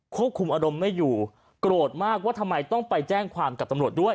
ควบคุมอารมณ์ไม่อยู่โกรธมากว่าทำไมต้องไปแจ้งความกับตำรวจด้วย